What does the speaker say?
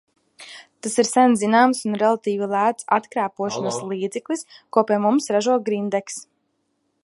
Tas ir sen zināms un relatīvi lēts atkrēpošanas līdzeklis, ko pie mums ražo Grindeks.